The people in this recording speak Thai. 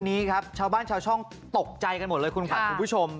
นี้ครับชาวบ้านชาวช่องตกใจกันหมดเลยคุณขวัญคุณผู้ชม